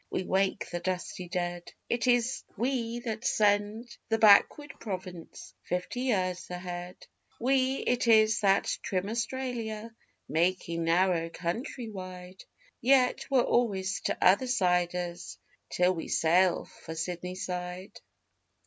Yet we wake the dusty dead; It is we that send the backward province fifty years ahead; We it is that 'trim' Australia making narrow country wide Yet we're always T'other siders till we sail for Sydney side.